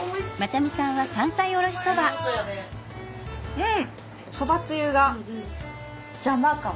うん！